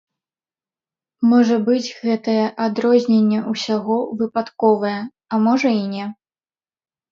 Можа быць, гэтае адрозненне ўсяго выпадковае, а можа і не.